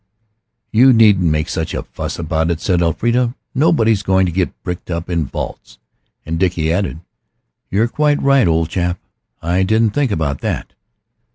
"You needn't make such a fuss about it," said Elfrida, "nobody's going to get bricked up in vaults." And Dickie added, "You're quite right, old chap. I didn't think about that."